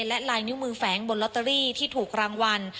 และลายนิ้วมือแฝงบนลอตเตอรี่ที่ถูกรางวัล